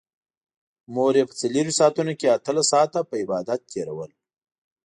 مور يې په څلرويشت ساعتونو کې اتلس ساعته په عبادت تېرول.